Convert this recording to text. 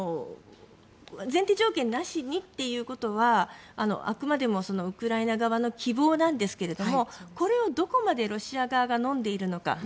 前提条件なしにということはあくまでもウクライナ側の希望なんですけどこれをどこまでロシア側が飲んでいるのか。